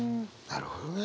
なるほどね。